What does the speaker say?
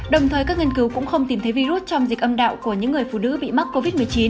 đồng thời các nghiên cứu cũng không tìm thấy virus trong dịch âm đạo của những người phụ nữ bị mắc covid một mươi chín